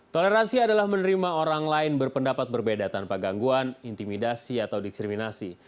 toleransi adalah menerima orang lain berpendapat berbeda tanpa gangguan intimidasi atau diskriminasi